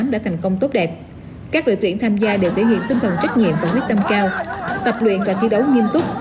đã thành công tốt đẹp các đội tuyển tham gia đều thể hiện tinh thần trách nhiệm và quyết tâm cao tập luyện và thi đấu nghiêm túc